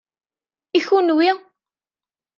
I kunwi?